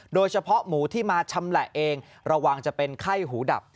โดยเฉพาะหมูที่มาชำแหละเองระวังจะเป็นไข้หูดับ